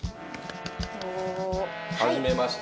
おお。はじめまして。